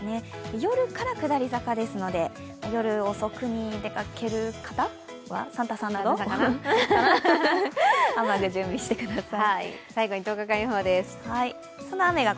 夜から下り坂ですので夜遅くに出かける方はサンタさんかな、雨具準備してください。